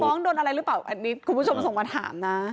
น้องโดนอะไรหรือเปล่าอันนี้คุณผู้ชมส่งมาถามนะ